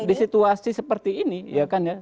di situasi seperti ini ya kan ya